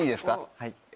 はい。